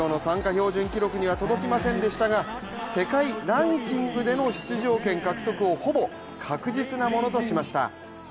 標準記録には届きませんでしたが世界ランキングでの出場権獲得をほぼ確実なものとしました。